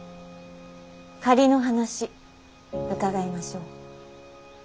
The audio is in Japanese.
仮の話伺いましょう。